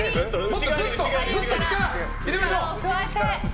もっと、グッと力を入れましょう。